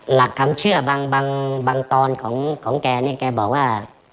หลักคำเชื่อบางตอนของแกเนี่ยแกบอกว่า